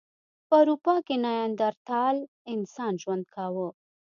په اروپا کې نیاندرتال انسان ژوند کاوه.